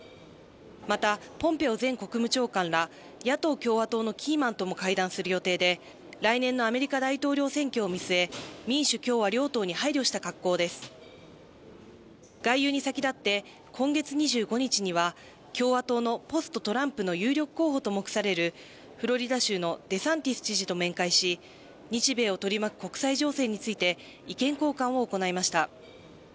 また、ポンペオ前国務長官ら野党・共和党のキーマンとも会談する予定で来年のアメリカ大統領選挙を見据え民主・共和両党に配慮した格好です外遊に先立って、今月２５日には共和党のポスト・トランプの有力候補と目されるフロリダ州のデサンティス知事と面会し、日米を取り巻く国際情勢について意見交換を行いました。